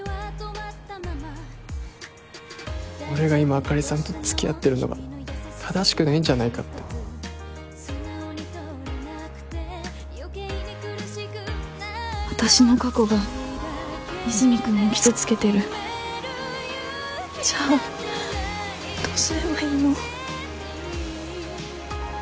俺が今あかりさんと付き合ってるのが正しくないんじゃないかって私の過去が和泉君を傷つけてるじゃあどうすればいいの？